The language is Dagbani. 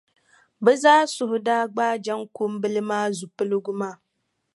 Bɛ zaa suhu daa gbaai Jaŋkumbila maa zupiligu maa.